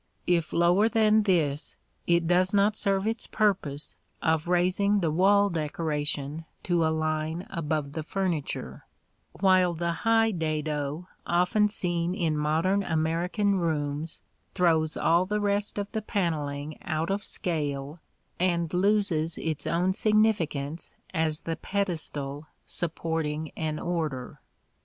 If lower than this, it does not serve its purpose of raising the wall decoration to a line above the furniture; while the high dado often seen in modern American rooms throws all the rest of the panelling out of scale and loses its own significance as the pedestal supporting an order.